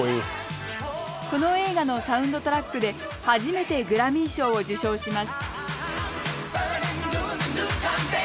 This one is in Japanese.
この映画のサウンドトラックで初めてグラミー賞を受賞します